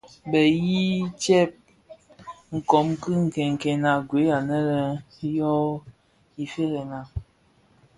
Be yii tsè kōm bi nkènèn a gued anë yō Ifëërèna.